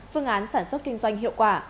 phương án sản xuất kinh doanh hiệu quả